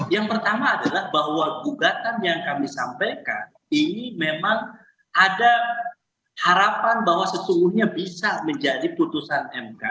yang pertama adalah bahwa gugatan yang kami sampaikan ini memang ada harapan bahwa sesungguhnya bisa menjadi putusan mk